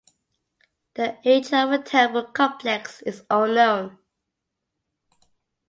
The age of the temple complex is unknown.